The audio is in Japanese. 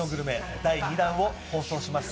第２弾を放送します。